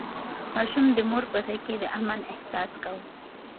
ماشوم د مور په غېږ کې د امن احساس کاوه.